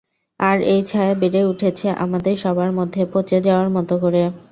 আর এই ছায়া বেড়ে উঠছে, আমাদের সবার মধ্যে, পচে যাওয়ার মতো করে।